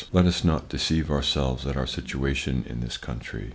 Let us not deceive ourselves at our situation in this country.